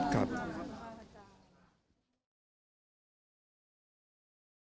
ขอบคุณครับ